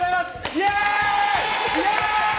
イエーイ！